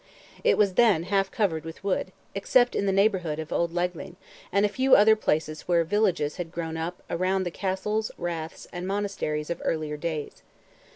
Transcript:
It was then half covered with wood, except in the neighbourhood of Old Leighlin, and a few other places where villages had grown up around the castles, raths, and monasteries of earlier days.